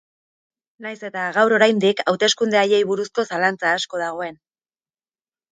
Nahiz eta, gaur oraindik, hauteskunde haiei buruzko zalantza asko dagoen.